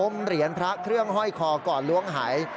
เหรียญพระเครื่องห้อยคอก่อนล้วงหาย